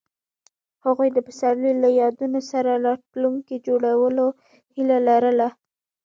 هغوی د پسرلی له یادونو سره راتلونکی جوړولو هیله لرله.